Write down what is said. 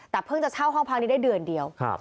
แต่เพิ่งจะเช่าห้องพักนี้ได้เดือนเดียว